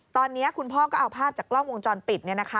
ตอนนี้คุณพ่อก็เอาภาพจากกล้องวงจรปิด